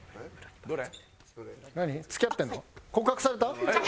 どれ？